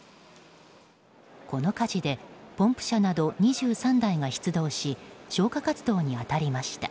この火事でポンプ車など２３台が出動し消火活動に当たりました。